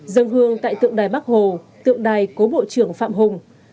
dân hương tại tượng đài bắc hồ tượng đài cố bộ trưởng phạm hùng